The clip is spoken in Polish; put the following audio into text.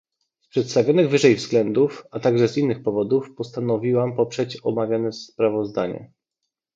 Z przedstawionych wyżej względów, a także z innych powodów, postanowiłam poprzeć omawiane sprawozdanie